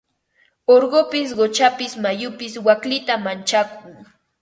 Urqupis quchapis mayupis waklita manchakun.